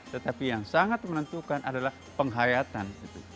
tetapi yang sangat menentukan adalah penghayatan